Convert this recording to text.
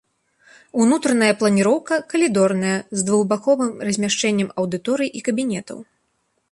Унутраная планіроўка калідорная, з двухбаковым размяшчэннем аўдыторый і кабінетаў.